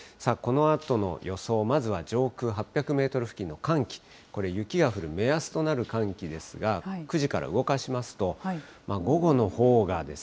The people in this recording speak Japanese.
このあとの予想、まずは上空８００メートル付近の寒気、これ、雪が降る目安となる寒気ですが、９時から動かしますと、午後のほうが。